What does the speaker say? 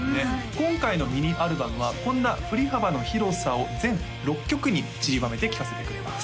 今回のミニアルバムはこんな振り幅の広さを全６曲にちりばめて聴かせてくれます